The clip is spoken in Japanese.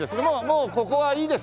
もうここはいいですよ。